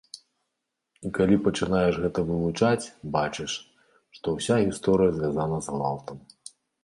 І калі пачынаеш гэта вывучаць, бачыш, што ўся гісторыя звязаная з гвалтам.